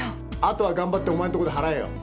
後は頑張ってお前のとこで払えよ。